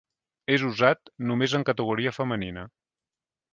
És usat només en categoria femenina.